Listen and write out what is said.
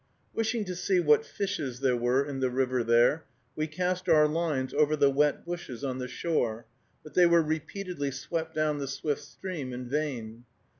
Wishing to see what fishes there were in the river there, we cast our lines over the wet bushes on the shore, but they were repeatedly swept down the swift stream in vain.